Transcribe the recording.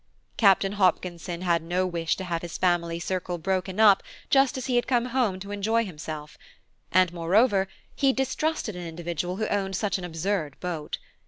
Captain Hopkinson had no wish to have his family circle broken up just as he had come home to enjoy himself, and, moreover, he distrusted an individual who owned such an absurd boat.